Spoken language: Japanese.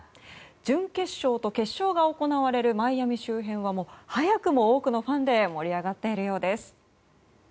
準決勝と決勝が行われるマイアミ周辺は早くも多くのファンで盛り上がっているようです。